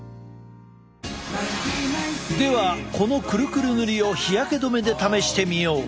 ではこのクルクル塗りを日焼け止めで試してみよう！